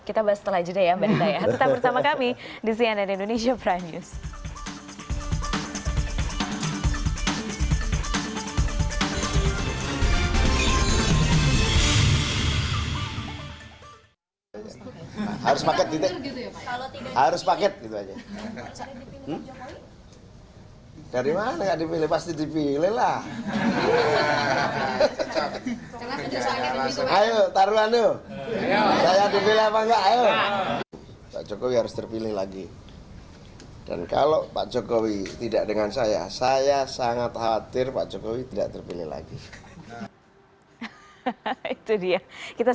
kita bahas setelah ini ya